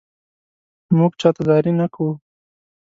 مونږ چاته زاري نه کوو